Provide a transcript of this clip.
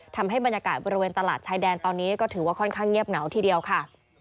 ทำให้บรรยากาศบริเวณตลาดชายแดนตอนนี้ก็ถือว่าค่อนข้างเงียบเหงาทีเดียวค่ะ